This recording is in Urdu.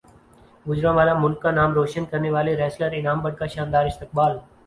گوجرانوالہ ملک کا نام روشن کرنیوالے ریسلر انعام بٹ کا شاندار استقبال